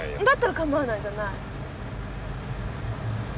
だったらかまわないじゃない？